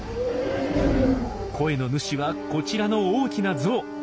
声の主はこちらの大きなゾウ！